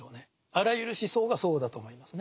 あらゆる思想がそうだと思いますね。